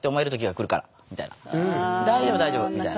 すぐ大丈夫大丈夫みたいな。